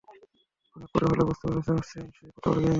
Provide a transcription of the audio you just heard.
অনেক পড়ে হলেও বুঝতে পেরেছো, স্যাম সে কত বড় বেঈমান।